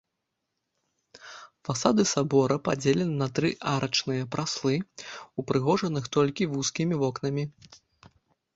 Фасады сабора падзелены на тры арачныя праслы, упрыгожаных толькі вузкімі вокнамі.